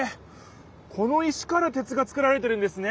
この石から鉄が作られてるんですね！